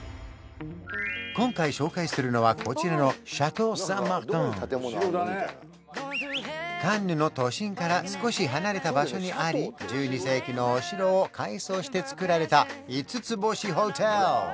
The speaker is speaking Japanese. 今回紹介するのはこちらのカンヌの都心から少し離れた場所にあり１２世紀のお城を改装して造られた５つ星ホテル